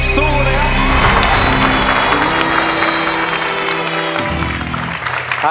สู้ไหมครับ